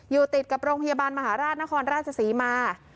อยู่ติดกับโรงพยาบาลมหาราชนครราชศรีมา